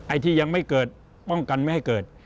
ที่ยังไม่เกิดป้องกันไม่ให้เกิด